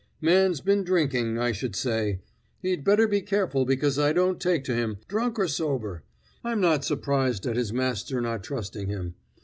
"Man's been drinking, I should say. He'd better be careful, because I don't take to him, drunk or sober. I'm not surprised at his master not trusting him.